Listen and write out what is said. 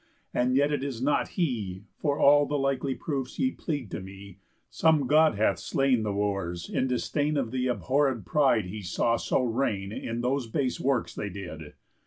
And yet it is not he, For all the likely proofs ye plead to me,— Some God hath slain the Wooers in disdain Of the abhorréd pride he saw so reign In those base works they did.